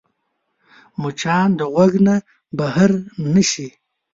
مچان د غوږ نه بهر نه شي